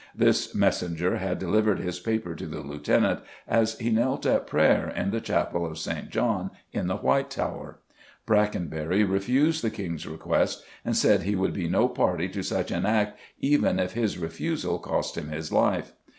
This messenger had delivered his papers to the Lieutenant as he knelt at prayer in the Chapel of St. John in the White Tower. Brackenbury refused the King's request, and said he would be no party to such an act even if his refusal cost him his life.